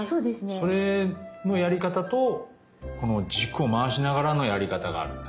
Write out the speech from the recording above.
それのやり方とこの軸を回しながらのやり方があるんだ。